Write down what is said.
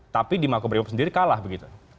tapi di makobrimob sendiri kalah begitu